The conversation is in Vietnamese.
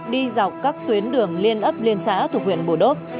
đi dọc các tuyến đường liên ấp liên xã thuộc huyện bù đốp